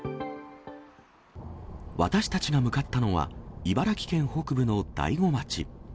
私たちが向かったのは、茨城県北部の大子町。